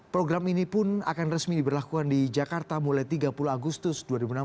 program ini pun akan resmi diberlakukan di jakarta mulai tiga puluh agustus dua ribu enam belas